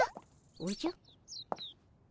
おじゃ？